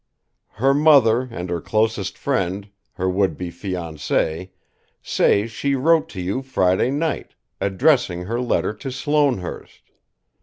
"Her mother and her closest friend, her would be fiancé, say she wrote to you Friday night, addressing her letter to Sloanehurst.